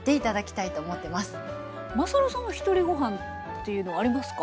まさるさんはひとりごはんっていうのはありますか？